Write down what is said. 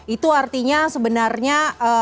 itu artinya sebenarnya